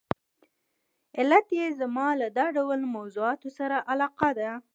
علت یې زما له دا ډول موضوعاتو سره علاقه ده.